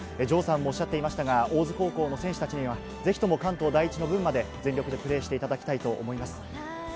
城さんもおっしゃっていましたが、大津高校の選手たちにはぜひとも関東第一の分まで、全力でプレーしていただきたいと思います。